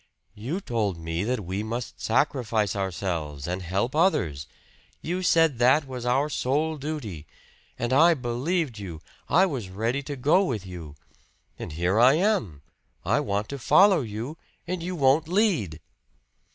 "You told me that we must sacrifice ourselves, and help others! You said that was our sole duty! And I believed you I was ready to go with you. And here I am I want to follow you, and you won't lead!"